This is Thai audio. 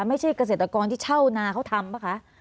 ไม่ใช่เกษตรกรที่เช่านาเขาทำป่ะคะ